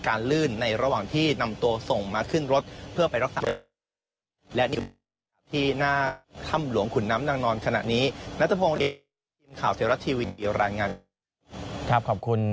ขอบคุณคุณณธพงษ์มากนะครับ